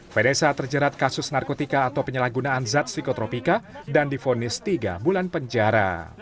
vanessa terjerat kasus narkotika atau penyalahgunaan zat psikotropika dan difonis tiga bulan penjara